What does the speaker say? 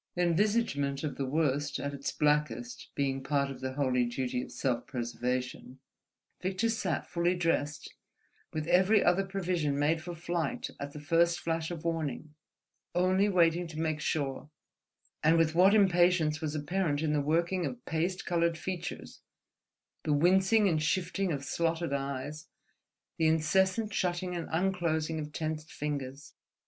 Envisagement of the worst at its blackest being part of the holy duty of self preservation, Victor sat fully dressed, with every other provision made for flight at the first flash of warning, only waiting to make sure, and with what impatience was apparent in the working of paste coloured features, the wincing and shifting of slotted eyes, the incessant shutting and unclosing of tensed fingers.